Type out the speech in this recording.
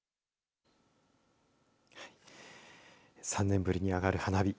３年ぶりに上がる花火。